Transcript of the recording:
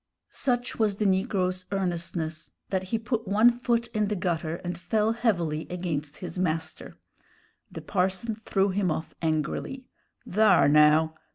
Such was the negro's earnestness that he put one foot in the gutter, and fell heavily against his master. The parson threw him off angrily. "Thar, now!